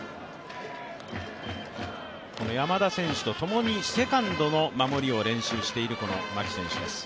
山田選手とともにセカンドの守りを練習している牧選手です。